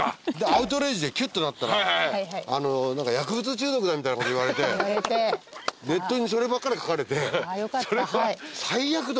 『アウトレイジ』できゅっとなったら薬物中毒だみたいなこと言われてネットにそればっかり書かれて最悪と思って。